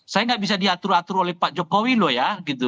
saya nggak bisa diatur atur oleh pak jokowi loh ya gitu